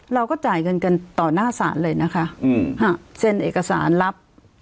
เราก็จ่ายเงินกันต่อหน้าศาลเลยนะคะอืมฮะเซ็นเอกสารรับ